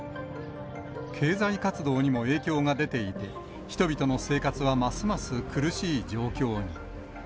経済活動にも影響が出ていて、人々の生活はますます苦しい状況に。